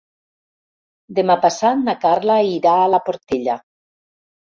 Demà passat na Carla irà a la Portella.